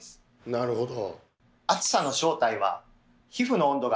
なるほど。